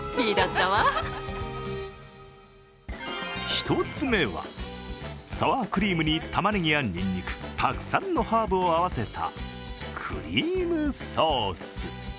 １つ目はサワークリームにたまねぎやにんにく、たくさんのハーブを合わせたクリームソース。